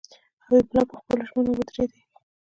حبیب الله پر خپلو ژمنو ودرېدی.